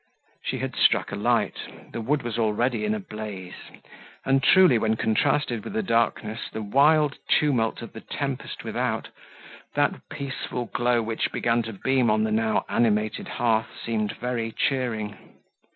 She had struck a light; the wood was already in a blaze; and truly, when contrasted with the darkness, the wild tumult of the tempest without, that peaceful glow which began to beam on the now animated hearth, seemed very cheering.